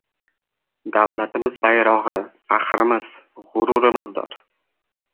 “Davlatimiz bayrog‘i faxrimiz, g‘ururimizdir”